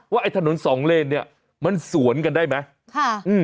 ว่าไอ้ถนนสองเลนเนี่ยมันสวนกันได้ไหม